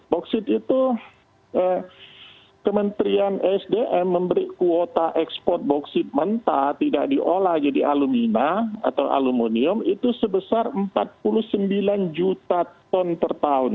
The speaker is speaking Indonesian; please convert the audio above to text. bauksit itu kementerian sdm memberi kuota ekspor boksit mentah tidak diolah jadi alumina atau aluminium itu sebesar empat puluh sembilan juta ton per tahun